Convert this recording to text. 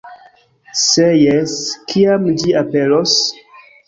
Se jes, kiam ĝi aperos?